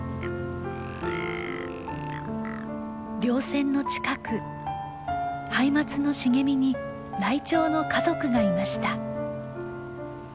稜線の近くハイマツの茂みにライチョウの家族がいました。